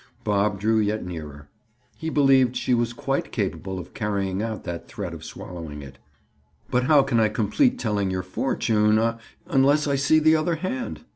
Bob drew yet nearer. He believed she was quite capable of carrying out that threat of swallowing it. "But how can I complete telling your fortune—aw!—unless I see the other hand?"